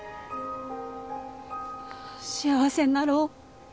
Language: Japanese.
幸せになろう。